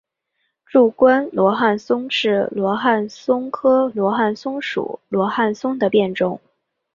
柱冠罗汉松是罗汉松科罗汉松属罗汉松的变种。